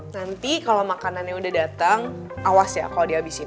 nanti kalau makanannya udah datang awas ya kalau dihabisin